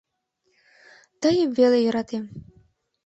— Тыйым веле йӧратем.